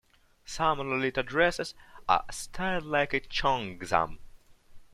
Some Lolita dresses are styled like a cheongsam.